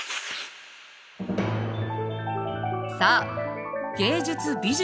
さあ「芸術美術Ⅰ」